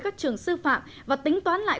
các trường sư phạm và tính toán lại